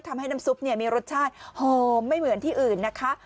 ทำให้น้ำซุปมีรสชาติหอมไม่เหมือนที่อื่นนะคะ